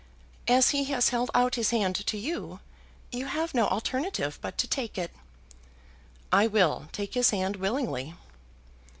As he has held out his hand to you, you have no alternative but to take it." "I will take his hand willingly."